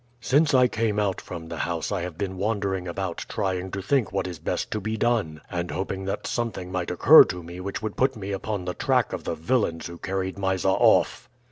"Since I came out from the house I have been wandering about trying to think what is best to be done, and hoping that something might occur to me which would put me upon the track of the villains who carried Mysa off."